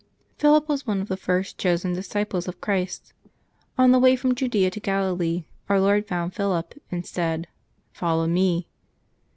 QHiLip was one of the first chosen disciples of Christl On the way from Judea to Galilee Our Lord found Philip, and said, " Follow Me."